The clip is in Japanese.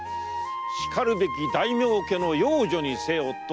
しかるべき大名家の養女にせよと申されてな。